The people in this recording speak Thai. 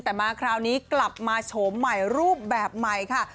แต่มาคราวนี้กลับมาโฉมใหม่รูปแบบใหม่ค่ะ